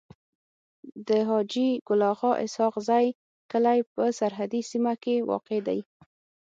د حاجي ګل اغا اسحق زی کلی په سرحدي سيمه کي واقع دی.